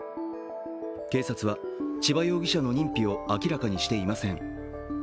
警察は千葉容疑者の認否を明らかにしていません。